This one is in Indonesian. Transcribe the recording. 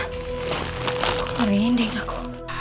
kok merinding aku